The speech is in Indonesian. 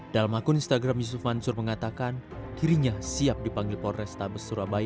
dalam akun instagram yusuf mansur mengatakan dirinya siap dipanggil polrestabes surabaya